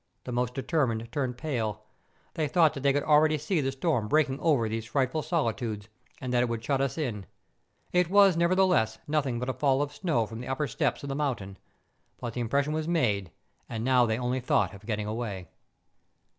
The most determined turned pale; they thought that they could already see the storm breaking over these frightful solitudes, and that it would shut us in: it was, nevertheless, nothing but a fall of snow from the upper steps of 144 MOUNTAIN ADVENTURES. the mountain : but the impression was made, and now they only thought of getting away.